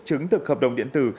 chứng thực hợp đồng điện tử